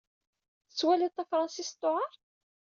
Tettwalid tafṛensist tewɛeṛ?